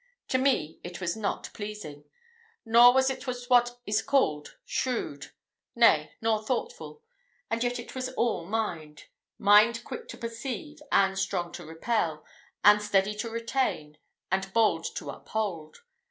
To me it was not pleasing, nor was it what is called shrewd nay, nor thoughtful; and yet it was all mind mind quick to perceive, and strong to repel, and steady to retain, and bold to uphold.